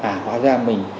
à hóa ra mình